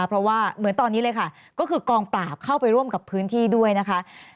เพราะว่าเหมือนตอนนี้เลยค่ะก็คือกองปราบเข้าไปร่วมกับพื้นที่ด้วยนะคะ